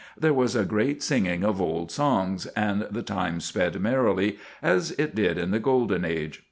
There was a great singing of old songs, and the time sped merrily, as it did in the golden age.